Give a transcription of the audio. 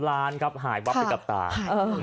ล้านครับหายวับไปกับตา